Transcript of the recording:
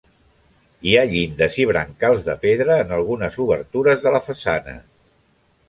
Hi ha llindes i brancals de pedra en algunes obertures de la façana.